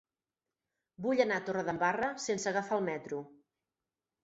Vull anar a Torredembarra sense agafar el metro.